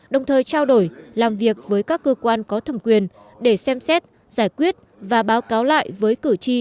đồng thời trao đổi làm việc với các cơ quan có thẩm quyền để xem xét giải quyết và báo cáo lại với cử tri